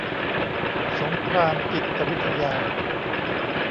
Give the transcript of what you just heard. สงครามจิตวิทยา